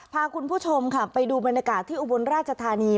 พาคุณผู้ชมค่ะไปดูบรรยากาศที่อุบลราชธานี